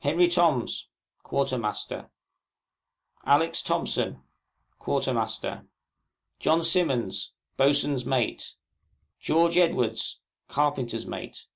HENRY TOMS, Quartermaster. ALEX. THOMPSON, " JOHN SIMMONDS, Boatswain's Mate. GEORGE EDWARDS, Carpenter's Mate.